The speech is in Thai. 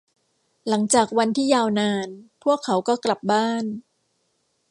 หลังจากวันที่ยาวนาน พวกเขาก็กลับบ้าน